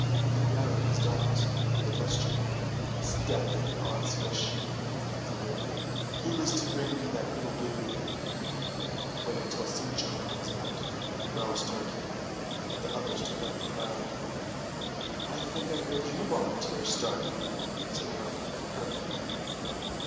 Hook rallied his dogs with a gesture. "'S'death and odds fish," he thundered, "who is to bring me that doodle doo?" "Wait till Cecco comes out," growled Starkey, and the others took up the cry. "I think I heard you volunteer, Starkey," said Hook, purring again.